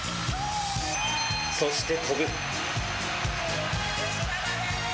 そして飛ぶ。